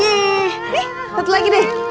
nih satu lagi deh